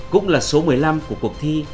cũng là số một mươi năm của cuộc thi